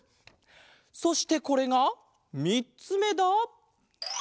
そしてこれがみっつめだ。